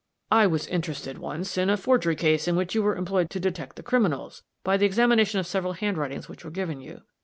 "I was interested, once, in a forgery case in which you were employed to detect the criminals, by the examination of several handwritings which were given you.